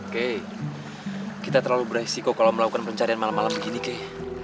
kita terlalu beresiko kalau melakukan pencarian malam malam begini kek